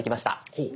ほう！